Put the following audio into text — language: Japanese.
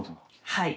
はい。